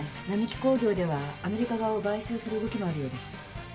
並木興業ではアメリカ側を買収する動きもあるようです。